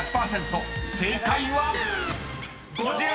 ［正解は⁉］